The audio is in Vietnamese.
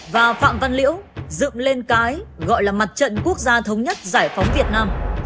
và phạm văn liễu dựng lên cái gọi là mặt trận quốc gia thống nhất giải phóng việt nam